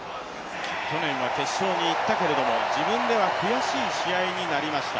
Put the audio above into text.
去年は決勝に行ったけれども、自分では悔しい試合になりました。